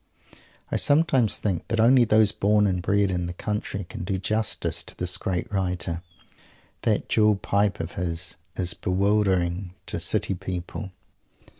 I sometimes think that only those born and bred in the country can do justice to this great writer. That dual pipe of his is bewildering to city people.